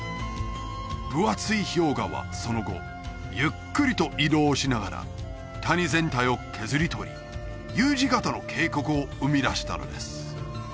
分厚い氷河はその後ゆっくりと移動しながら谷全体を削り取りＵ字型の渓谷を生み出したのです